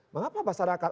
mengapa pasaran akan